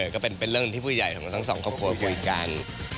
ก็เป็นเรื่องที่ผู้ใหญ่ของทั้งสองครอบครัวคุยกัน